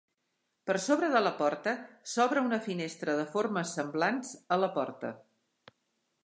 Per sobre de la porta s'obre una finestra de formes semblants a la porta.